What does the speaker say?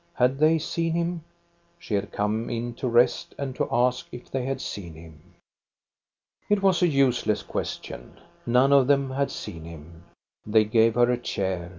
Had they seen him ? She had come in to rest, and to ask if they had seen him. It was a useless question. None of them had seen him. They gave her a chair.